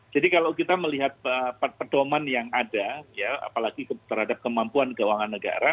jadi kalau kita melihat pedoman yang ada ya apalagi terhadap kemampuan keuangan negara